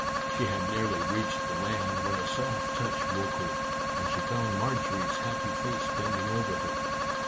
She had nearly reached the land, when a soft touch woke her, and she found Marjorie's happy face bending over her.